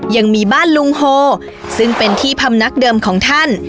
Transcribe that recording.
ยังมีบ้านลุงโฮซึ่งเป็นที่พำนักเดิมของท่าน